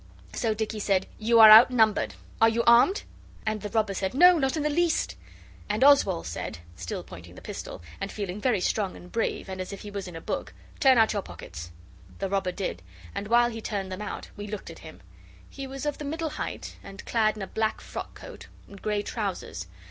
So Dicky said, 'You are outnumbered. Are you armed?' And the robber said, 'No, not in the least.' And Oswald said, still pointing the pistol, and feeling very strong and brave and as if he was in a book, 'Turn out your pockets.' The robber did: and while he turned them out, we looked at him. He was of the middle height, and clad in a black frock coat and grey trousers.